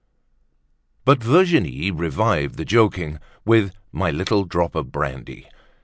But Virginie revived the joking with "My Little Drop of Brandy."